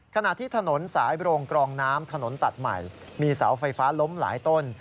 ขณะที่ถนนสายโรงกรองน้ำถนนตัดใหม่มีเสาไฟฟ้าล้มหลายต้น